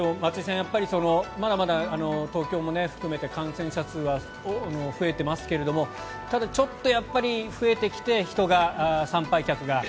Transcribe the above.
やっぱり、まだまだ東京も含めて感染者数は増えてますけれどもただ、ちょっと増えてきて人が、参拝客が。